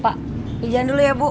pergi jalan dulu ya bu